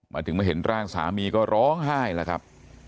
มาถึงมาเห็นร่างสามีก็ร้องไห้แล้วครับ